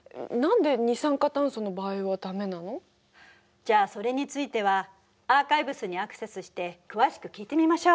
じゃあそれについてはアーカイブスにアクセスして詳しく聞いてみましょう。